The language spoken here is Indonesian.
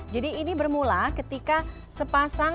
jadi ini bermula ketika sepasang